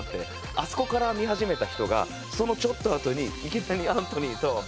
あそこから見始めた人がそのちょっとあとにいきなりアントニーと。